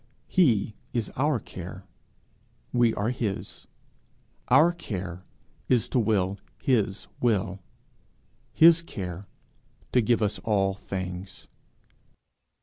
He is our care; we are his; our care is to will his will; his care, to give us all things.